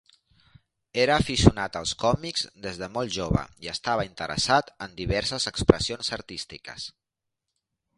Era aficionat als còmics des de molt jove i estava interessat en diverses expressions artístiques.